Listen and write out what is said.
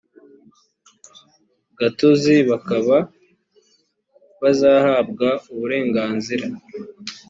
gatozi bakaba bazahabwa uburenganzira